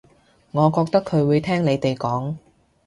我覺得佢會聽你哋講